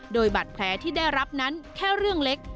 โดยบัตรแผลที่ได้รับนั้นแค่เรื่องเล็ก